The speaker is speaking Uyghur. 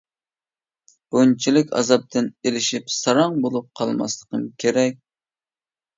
بۇنچىلىك ئازابتىن ئېلىشىپ ساراڭ بولۇپ قالماسلىقىم كېرەك.